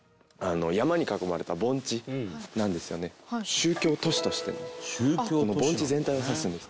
宗教都市としてのこの盆地全体を指すんです。